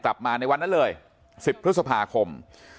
กลับมาในวันนั้นเลย๑๐พฤษภาคม